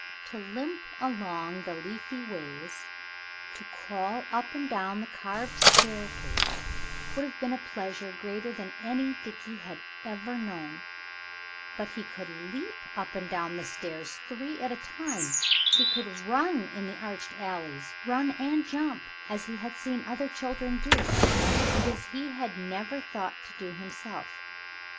To limp along the leafy ways, to crawl up and down the carved staircase would have been a pleasure greater than any Dickie had ever known; but he could leap up and down the stairs three at a time, he could run in the arched alleys run and jump as he had seen other children do, and as he had never thought to do himself.